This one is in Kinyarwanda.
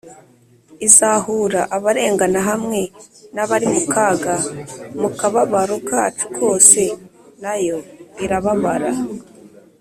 izahura abarengana hamwe n’abari mu kaga mu kababaro kacu kose na yo irababara